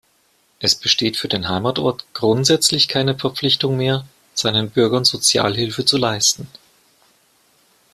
Es besteht für den Heimatort grundsätzlich keine Verpflichtung mehr, seinen Bürgern Sozialhilfe zu leisten.